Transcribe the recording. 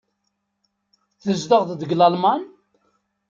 Tzedɣeḍ deg Lalman?